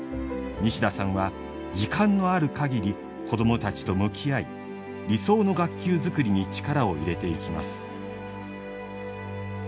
西田さんは時間のあるかぎり子どもたちと向き合い理想の学級づくりに力を入れていきます。